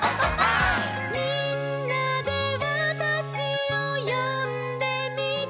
「みんなでわたしをよんでみて」